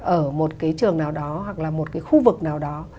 ở một cái trường nào đó hoặc là một cái khu vực nào đó